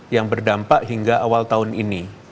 yang berdampak hingga awal tahun ini